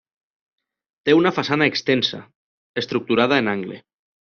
Té una façana extensa, estructurada en angle.